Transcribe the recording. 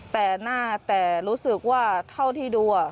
แต่รู้สึกว่าเท่าที่ดู